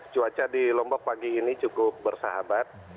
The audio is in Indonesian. cuaca di lombok pagi ini cukup bersahabat